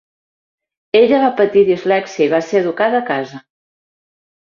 Ella va patir dislèxia i va ser educada a casa.